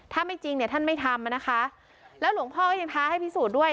ถ้าไม่จริงเนี่ยท่านไม่ทำนะคะแล้วหลวงพ่อก็ยังท้าให้พิสูจน์ด้วย